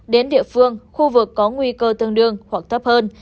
đến địa phương khu vực có nguy cơ tương đương hoặc thấp hơn